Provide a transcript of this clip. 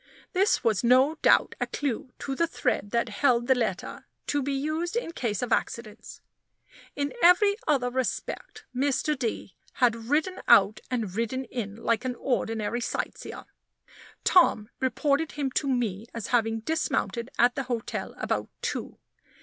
This was no doubt a clew to the thread that held the letter, to be used in case of accidents. In every other respect Mr. D. had ridden out and ridden in like an ordinary sightseer. Tom reported him to me as having dismounted at the hotel about two.